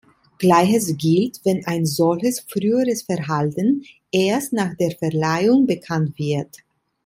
Gleiches gilt, wenn ein solches früheres Verhalten erst nach der Verleihung bekannt wird.